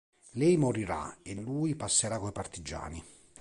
Lei morirà, e lui passerà coi partigiani.